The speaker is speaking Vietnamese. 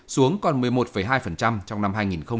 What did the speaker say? xuống còn một mươi một hai trong năm hai nghìn một mươi chín